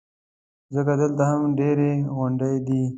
ځکه دلته هم ډېرې غونډۍ دي.